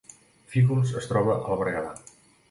Fígols es troba al Berguedà